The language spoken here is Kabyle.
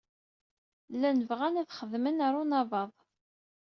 Llan bɣan ad xedmen ɣer unabaḍ.